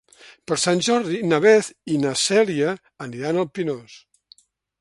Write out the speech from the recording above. Per Sant Jordi na Beth i na Cèlia aniran al Pinós.